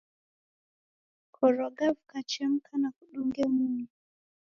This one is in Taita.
Koroga, vikachemka na kudunge munyu.